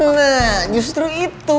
nah justru itu